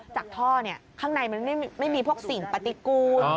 จากท่อข้างในมันไม่มีพวกสิ่งปฏิกูล